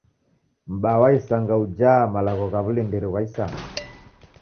M'baa wa isanga ujaa malagho gha w'ulindiri ghwa isanga.